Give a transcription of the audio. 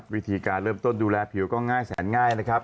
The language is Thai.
วิธีการเริ่มต้นดูแลผิวก็ง่ายแสนง่ายนะครับ